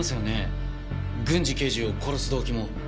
郡侍刑事を殺す動機も。